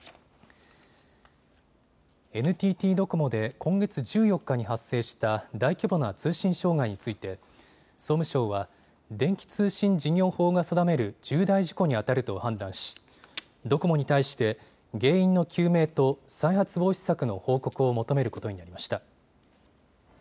ＮＴＴドコモで今月１４日に発生した大規模な通信障害について総務省は電気通信事業法が定める重大事故にあたると判断しドコモに対して原因の究明と再発防止策の報告を求めることになりました。